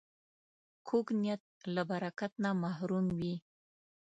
کوږ نیت له برکت نه محروم وي